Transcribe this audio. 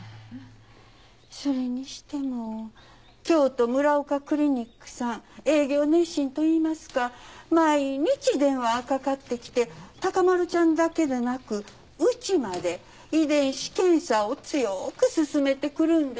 それにしても京都ＭＵＲＡＯＫＡクリニックさん営業熱心といいますか毎日電話かかってきて孝麿ちゃんだけでなくうちまで遺伝子検査を強く勧めてくるんです。